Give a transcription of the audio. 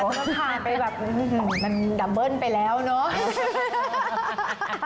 ต้องพาไปแบบมันดัมเบิ้ลไปแล้วเนอะ